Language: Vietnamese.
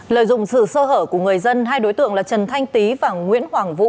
lợi dụng sự sơ hở của người dân hai đối tượng là trần thanh tý và nguyễn hoàng vũ